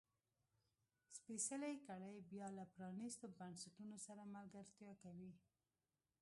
سپېڅلې کړۍ بیا له پرانیستو بنسټونو سره ملګرتیا کوي.